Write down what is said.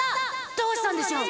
どうしたんでしょう？